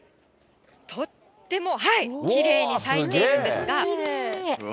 とってもきれいに咲いているんですが。